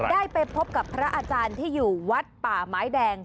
ได้ไปพบกับพระอาจารย์ที่อยู่วัดป่าไม้แดง